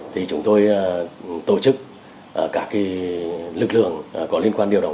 thì chúng tôi tổ chức các lực lượng có liên quan điều động